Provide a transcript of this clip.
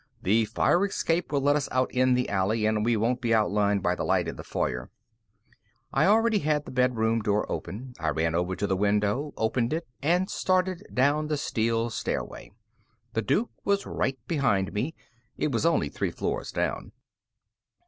The fire escape will let us out in the alley, and we won't by outlined by the light in the foyer." I already had the bedroom door open. I ran over to the window, opened it, and started down the steel stairway. The Duke was right behind me. It was only three floors down.